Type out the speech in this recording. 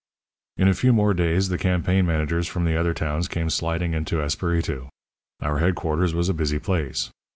"In a few more days the campaign managers from the other towns came sliding into Esperitu. Our headquarters was a busy place.